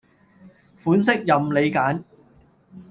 款式任你揀